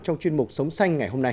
trong chuyên mục sống xanh ngày hôm nay